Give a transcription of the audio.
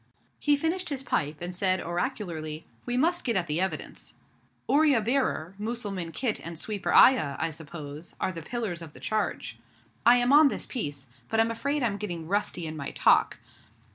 He finished his pipe and said oracularly, 'We must get at the evidence. Oorya bearer, Mussulman khit and sweeper ayah, I suppose, are the pillars of the charge. I am on in this piece; but I'm afraid I'm getting rusty in my talk.'